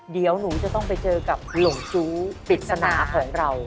เดี๋ยวหนูจะต้องไปเจอกับหลงจู้ปริศนาของเรา